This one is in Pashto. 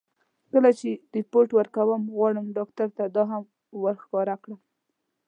کله چې رېپورټ ورکوم، غواړم ډاکټر ته دا هم ور ښکاره کړم.